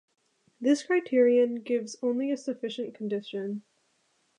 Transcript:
This criterion gives only a sufficient condition.